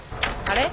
あれ？